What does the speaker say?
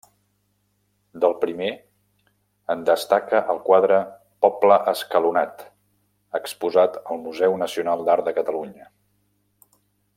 Del primer, en destaca el quadre Poble escalonat, exposat al Museu Nacional d'Art de Catalunya.